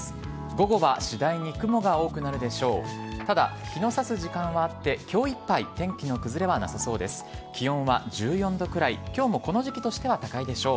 午後は次第に雲が多くなるでしょう。